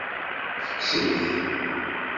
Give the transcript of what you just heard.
Tekkes-it.